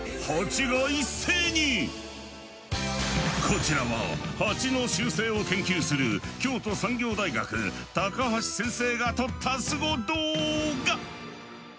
こちらはハチの習性を研究する京都産業大学高橋先生が撮ったスゴ動画！